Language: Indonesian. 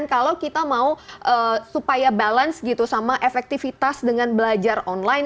kalau kita mau supaya balance gitu sama efektivitas dengan belajar online